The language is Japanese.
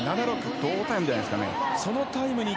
同タイムじゃないですかね。